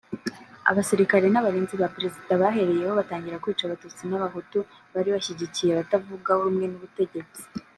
abasirikare n’abarinzi ba Perezida bahereyeho batangira kwica abatutsi n’abahutu bari bashyigikiye abatavuga rumwe n’ubutegetsi